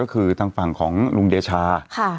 ก็คือทางฝั่งของลุงเดชา